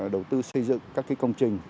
đầu tư xây dựng các công trình